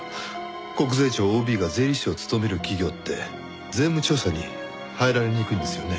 国税庁ＯＢが税理士を務める企業って税務調査に入られにくいんですよね。